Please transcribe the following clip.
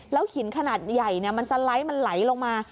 หินขนาดใหญ่มันสไลด์มันไหลลงมา